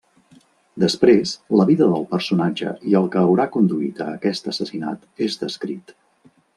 Després, la vida del personatge i el que haurà conduït a aquest assassinat és descrit.